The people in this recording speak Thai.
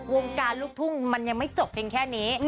วงการลูกทุ่งมันยังไม่จบเพียงแค่นี้